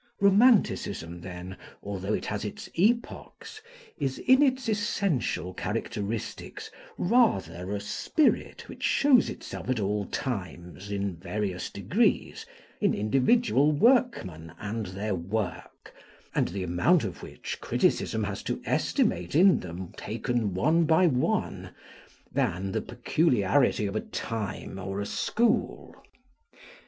Romanticism, then, although it has its epochs, is in its essential characteristics rather a spirit which shows itself at all times, in various degrees, in individual workmen and their work, and the amount of which criticism has to estimate in them taken one by one, than the peculiarity of a time or a school.